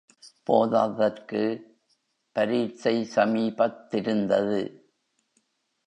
போதாதற்கு பரீட்சை சமீபத்திருந்தது.